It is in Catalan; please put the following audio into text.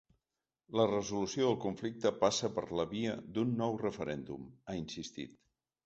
“La resolució del conflicte passa per la via d’un nou referèndum”, ha insistit.